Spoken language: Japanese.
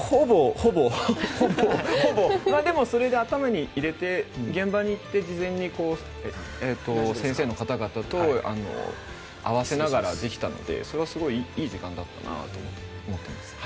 でも、それを頭に入れて現場に行って事前に先生の方々と合わせながらできたのでそれはすごいいい時間だったなと思っています。